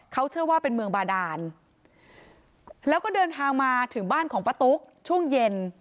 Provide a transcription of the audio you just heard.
เขาเชื่อว่าเป็นเมืองบาดานแล้วก็เดินทางมาถึงบ้านของป้าตุ๊กช่วงเย็น